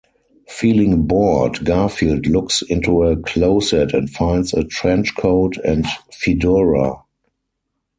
Feeling bored, Garfield looks into a closet and finds a trenchcoat and fedora.